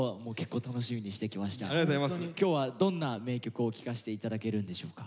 今日はどんな名曲を聴かせて頂けるんでしょうか？